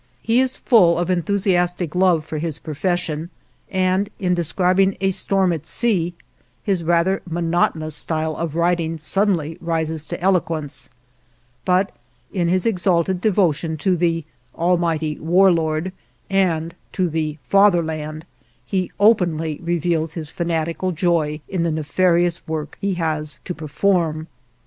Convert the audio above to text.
He is full of enthusiastic love for his profession, and in describing a storm at sea his rather monotonous style of writing suddenly rises to eloquence. But in his exalted devotion to the Almighty War Lord, and to the Fatherland, he openly reveals his fanatical joy in the nefarious work he has to perform.